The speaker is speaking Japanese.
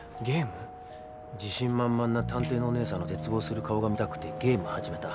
自信満々な探偵のおねえさんの絶望する顔が見たくてゲーム始めた。